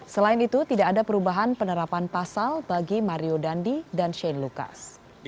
selain itu tidak ada perubahan penerapan pasal bagi mario dandi dan shane lucas